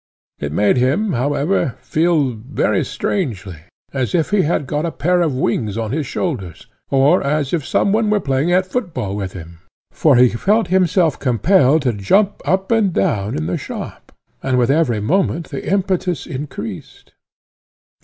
It made him, however, feel very strangely, as if he had got a pair of wings on his shoulders, or as if some one were playing at foot ball with him; for he felt himself compelled to jump up and down in the shop, and with every moment the impetus increased.